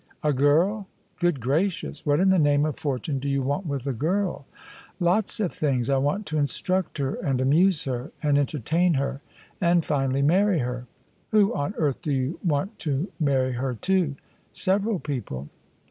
A girl? Good gracious! What in the name of fortune do you want with a girl ?"" Lots of things. I want to instruct her and amuse her and entertain her and finally marry her." " Who on earth do you want to marry her to? "" Several people."